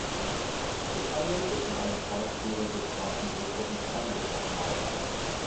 Es handelt sich um eine zweispurige Straßenbrücke in Spannbeton-Bauweise.